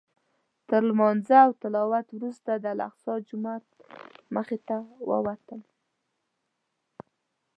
تر لمانځه او تلاوت وروسته د الاقصی جومات مخې ته ووتم.